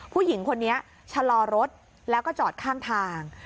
ผู้หญิงคนนี้ชะลอรถแล้วก็จอดข้างทาง